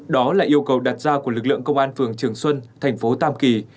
đó là yêu cầu đặt ra của lực lượng công an phường trường xuân thành phố tam kỳ